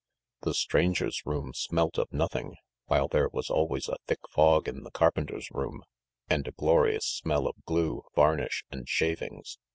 ... The stranger's room smelt of nothing, while there was always a thick fog in the carpenter's room, and a glorious smell of glue, varnish, and shavings.